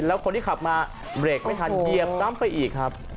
แล้วคนที่ขับมาเบรกไม่ทันเหยียบซ้ำไปอีกครับ